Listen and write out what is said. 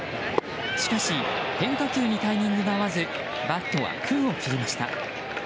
しかし変化球にタイミングが合わずバットは空を切りました。